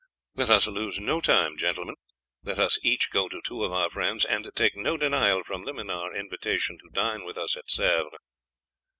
Let us lose no time, gentlemen; let us each go to two of our friends and take no denial from them to our invitation to dine with us at Sevres.